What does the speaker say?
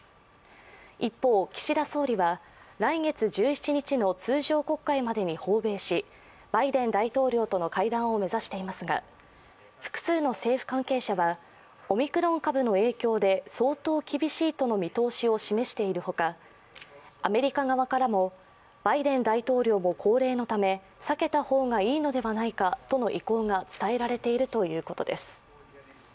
一方、岸田総理は、来月１７日の通常国会までに訪米しバイデン大統領との会談を目指していますが、複数の政府関係者はオミクロン株の影響で相当厳しいとの見通しを示している他アメリカ側からも、バイデン大統領も高齢のため避けた方がいいのではないかとの意向が伝えられているということです。